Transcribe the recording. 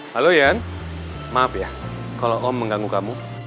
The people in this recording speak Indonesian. halo yan maaf ya kalau om mengganggu kamu